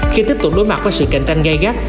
khi tiếp tục đối mặt với sự cạnh tranh gây gắt